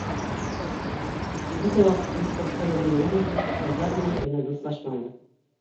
Бөтә ваҡытын спортҡа биргәнгәмелер, ҡыҙҙар менән генә дуҫлашманы.